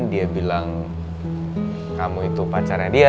dia bilang kamu itu pacarnya dia